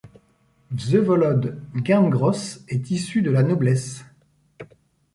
Vsevolod Gerngross est issu de la noblesse.